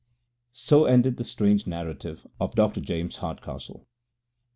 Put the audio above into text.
< 18 > So ended the strange narrative of Dr. James Hardcastle.